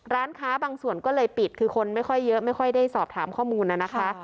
ร้านค้าบางส่วนก็เลยปิดคือคนไม่ค่อยเยอะไม่ค่อยได้สอบถามข้อมูลนะคะ